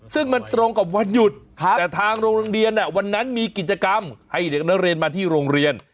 ซึ่งมันตรงกับวันหยุดแต่ทางโรงเรียนวันนั้นมีกิจกรรมให้เด็กนักเรียนมาที่โรงเรียน